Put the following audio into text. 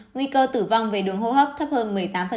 nguy cơ tử vong về đường hô hấp thấp hơn một mươi tám